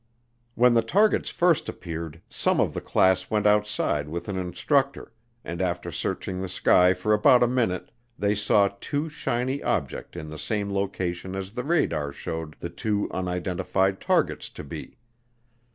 When the targets first appeared, some of the class went outside with an instructor, and after searching the sky for about a minute, they saw two shiny objects in the same location as the radar showed the two unidentified targets to be.